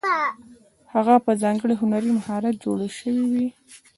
هغه په ځانګړي هنري مهارت جوړې شوې وې.